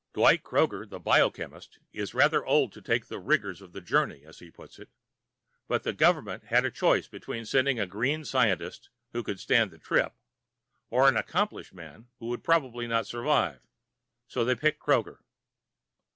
Dwight Kroger, the biochemist, is rather old to take the "rigors of the journey," as he puts it, but the government had a choice between sending a green scientist who could stand the trip or an accomplished man who would probably not survive, so they picked Kroger.